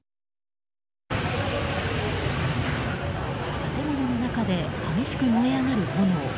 建物の中で激しく燃え上がる炎。